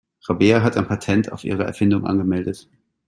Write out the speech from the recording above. Rabea hat ein Patent auf ihre Erfindung angemeldet.